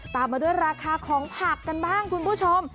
ตามมาด้วยราคาของผักกันบ้างคุณผู้ชม